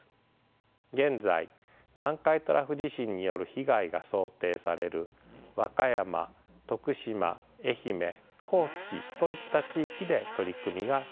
現在南海トラフ地震による被害が想定される和歌山・徳島・愛媛・高知といった地域で取り組みが進められています。